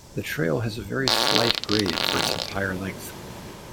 The trail has a very slight grade for its entire length.